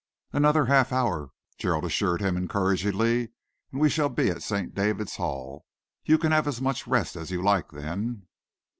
"Another half hour," Gerald assured him encouragingly, "and we shall be at St. David's Hall. You can have as much rest as you like then."